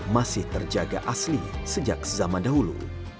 masih terjaga asli sejak zaman dahulu